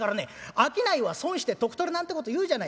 『商いは損して得取り』なんてこと言うじゃない。